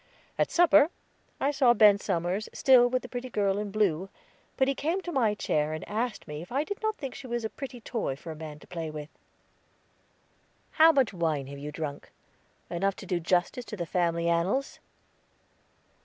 At supper, I saw Ben Somers, still with the pretty girl in blue; but he came to my chair and asked me if I did not think she was a pretty toy for a man to play with. "How much wine have you drunk? Enough to do justice to the family annals?"